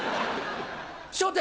『笑点』